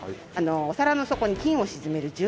お皿の底に金を沈める重要な作業。